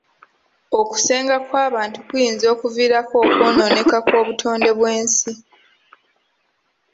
Okusenga kw'abantu kuyinza okuviirako okwonooneka kw'obutonde bw'ensi.